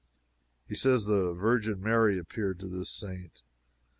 He says the Virgin Mary appeared to this saint.